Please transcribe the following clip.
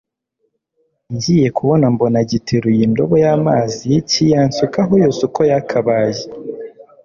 ngiye kubona mbona giteruye indobo yamazi kiyansukaho yose uko yakabaye